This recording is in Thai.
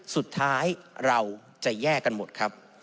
สุดท้ายเราจะแยกกันหมดครับ